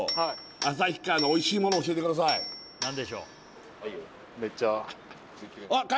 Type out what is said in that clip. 旭川のおいしいもの教えてくださいえっ